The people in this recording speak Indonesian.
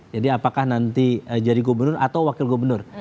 jadi apakah nanti jadi gubernur atau wakil gubernur